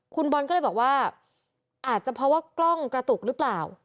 คุณบอลก็เลยบอกว่าอาจจะเพราะว่ากล้องกระตุกหรือเปล่า